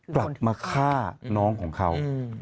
กลับมาฆ่าน้องของเขา